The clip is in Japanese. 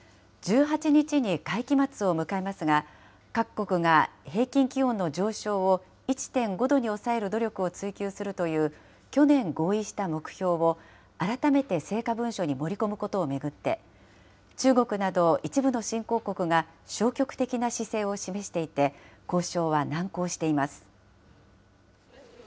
１８日に会期末を迎えますが、各国が平均気温の上昇を１．５度に抑える努力を追求するという去年合意した目標を、改めて成果文書に盛り込むことを巡って、中国など一部の新興国が消極的な姿勢を示していて、交渉は難航しています。